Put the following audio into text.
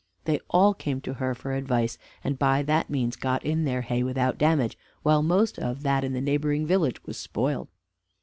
They all came to her for advice, and by that means got in their hay without damage, while most of that in the neighboring village was spoiled.